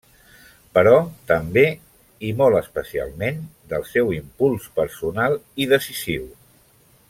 Però també, i molt especialment, del seu impuls personal i decisiu.